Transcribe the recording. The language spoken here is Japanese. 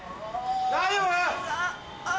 大丈夫？